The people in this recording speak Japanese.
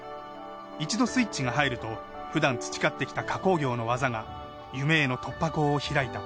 一度スイッチが入るとふだん培ってきた加工業の技が夢への突破口を開いた。